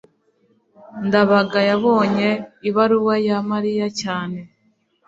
ndabaga yabonye ibaruwa ya mariya cyane